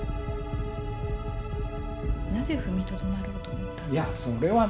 なぜ踏みとどまろうと思ったんですか？